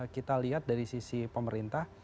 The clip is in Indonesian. kita lihat dari sisi pemerintah